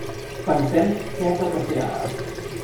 Pensem què toca fer ara.